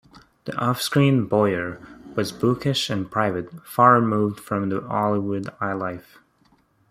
The offscreen Boyer was bookish and private, far removed from the Hollywood high life.